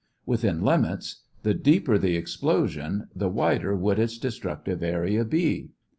Within limits, the deeper the explosion the wider would its destructive area be.